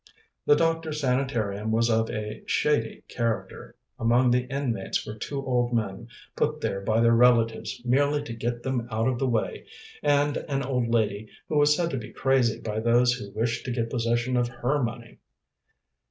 The doctor's sanitarium was of a "shady" character. Among the inmates were two old men, put there by their relatives merely to get them out of the way, and an old lady who was said to be crazy by those who wished to get possession of her money.